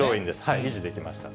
維持できました。